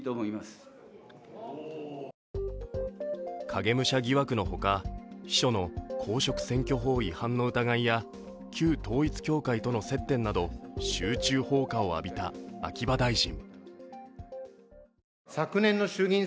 影武者疑惑の他、秘書の公職選挙法違反の疑いや旧統一教会との接点など集中砲火を受けた秋葉大臣。